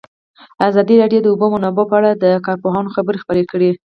ازادي راډیو د د اوبو منابع په اړه د کارپوهانو خبرې خپرې کړي.